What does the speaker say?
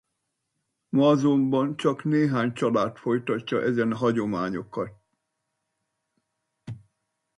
Ma azonban csak néhány család folytatja ezen hagyományokat.